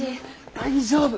大丈夫。